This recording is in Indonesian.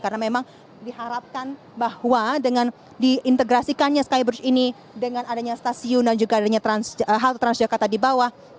karena memang diharapkan bahwa dengan diintegrasikannya skybridge ini dengan adanya stasiun dan juga adanya halte transjakarta di bawah